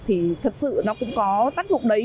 thì thật sự nó cũng có tác dụng đấy